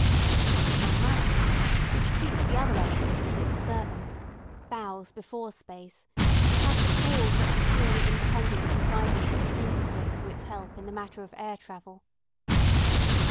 This is why magic, which treats the other elements as its servants, bows before space, and has to call such a purely independent contrivance as a broomstick to its help in the matter of air travel.